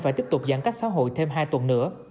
và tiếp tục giãn cách xã hội thêm hai tuần nữa